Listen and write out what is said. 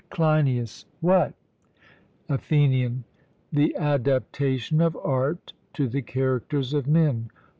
CLEINIAS: What? ATHENIAN: The adaptation of art to the characters of men.